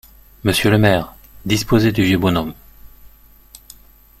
Monsieur le maire, disposez du vieux bonhomme!